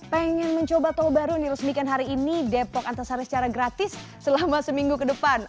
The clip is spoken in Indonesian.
pengen mencoba tol baru yang diresmikan hari ini depok antasari secara gratis selama seminggu ke depan